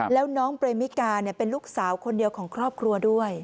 แล้วน้องเปรมิกาเป็นลูกสาวคนเดียวของครอบครัวด้วย